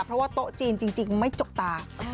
เพราะว่าโต๊ะจีนจริงไม่จกตา